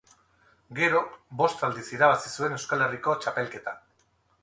Gero, bost aldiz irabazi zuen Euskal Herriko txapelketa.